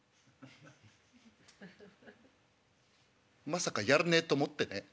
「まさかやらねえと思ってねえ？